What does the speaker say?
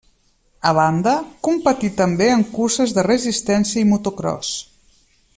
A banda, competí també en curses de resistència i motocròs.